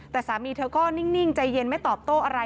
แต่สามีเธอก็นิ่งใจเย็นไม่ตอบโต้อะไร